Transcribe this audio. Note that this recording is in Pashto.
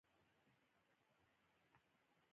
احمد خپلو کليوالو ته په درنه سترګه ګوري.